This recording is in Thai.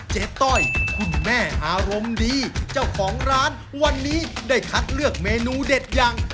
ต้อยคุณแม่อารมณ์ดีเจ้าของร้านวันนี้ได้คัดเลือกเมนูเด็ดอย่าง